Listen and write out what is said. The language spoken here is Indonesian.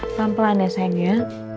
pelan pelan ya sayang ya